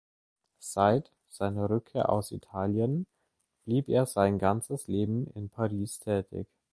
Seit seiner Rückkehr aus Italien blieb er sein ganzes Leben in Paris tätig.